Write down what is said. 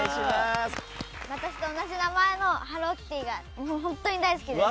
私と同じ名前のハローキティが本当に大好きで。